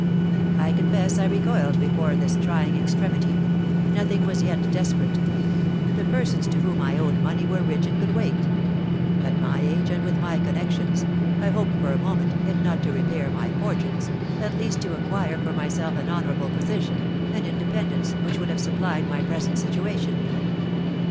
"I confess I recoiled before this trying extremity, nothing was yet desperate. The persons to whom I owed money were rich and could wait. At my age, and with my connections, I hoped for a moment, if not to repair my fortunes, at least to acquire for myself an honourable position, an independence which would have supplied my present situation.